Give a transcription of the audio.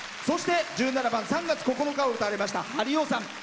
そして１７番「３月９日」を歌われましたはりおさん。